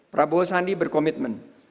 prabowo sandi berkomitmen